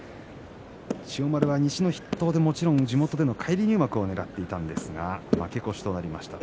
千代丸は西の筆頭で、もちろん地元での返り入幕をねらっていたんですが負け越しとなりました。